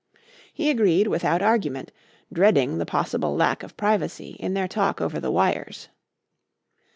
He agreed without argument, dreading the possible lack of privacy in their talk over the wires.